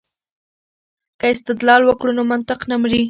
که استدلال وکړو نو منطق نه مري.